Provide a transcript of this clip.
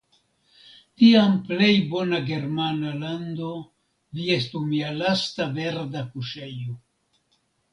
Tiam plej bona germana lando vi estu mia lasta verda kuŝejo.